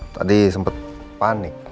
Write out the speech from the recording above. tadi sempet panik